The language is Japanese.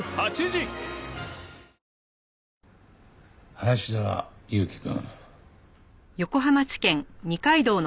林田裕紀くん。